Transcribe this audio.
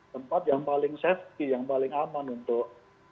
tempat yang paling safety yang paling aman untuk